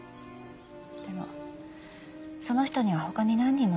でもその人には他に何人も女性がいたんです。